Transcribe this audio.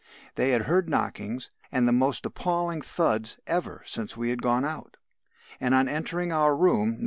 They had heard knockings and the most appalling thuds ever since we had gone out; and on entering our room (No.